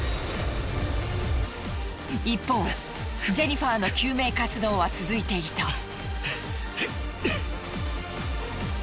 一方ジェニファーの救命活動は続いていた。